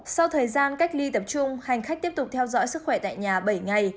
sau thời gian cách ly tập trung hành khách tiếp tục theo dõi sức khỏe tại nhà bảy ngày